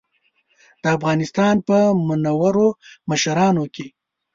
د افغانستان په منورو مشرانو کې.